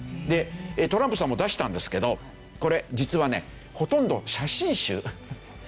でトランプさんも出したんですけどこれ実はねほとんど写真集。